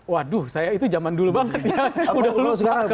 waduh saya itu zaman dulu banget ya